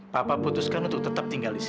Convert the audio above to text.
papa putuskan untuk tetap tinggal di sini